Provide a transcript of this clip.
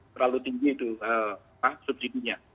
terlalu tinggi itu subsidinya